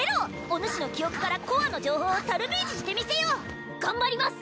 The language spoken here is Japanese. おぬしの記憶からコアの情報をサルベージしてみせよ頑張ります！